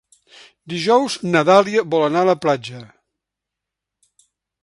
Dijous na Dàlia vol anar a la platja.